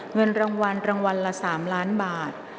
เงินรางวัลรางวัลละ๓ล้านบาท